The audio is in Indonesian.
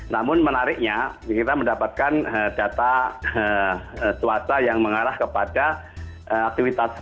namun menariknya kita mendapatkan data swasta yang mengarah kepada aktivitas